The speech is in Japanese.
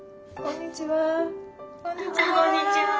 「こんにちは」。